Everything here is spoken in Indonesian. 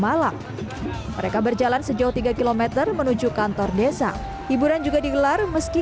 malang mereka berjalan sejauh tiga km menuju kantor desa hiburan juga digelar meski